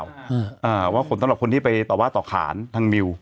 ว่าความสำหรับคนที่ไปต่อว่าต่อขาน